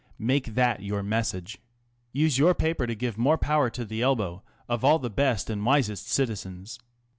Make that your message. Use your paper to give more power to the elbow of all the best and wisest citizens.